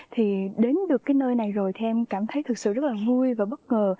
thì đến được cái nơi này rồi thì em cảm thấy thật sự rất là vui và bất ngờ